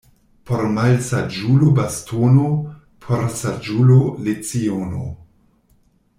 Por malsaĝulo bastono — por saĝulo leciono.